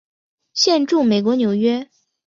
现住美国纽约。